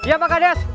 siap pak kades